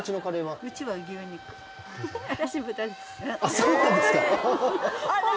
そうなんですか？